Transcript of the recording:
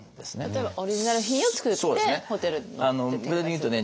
例えばオリジナル品を作ってホテルで展開するとか？